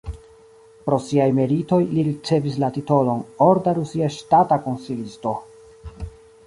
Pro siaj meritoj li ricevis la titolon "Orda rusia ŝtata konsilisto".